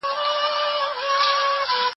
زه به د ښوونځی لپاره تياری کړی وي.